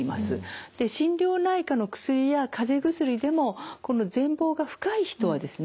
で心療内科の薬や風邪薬でもこの前房が深い人はですね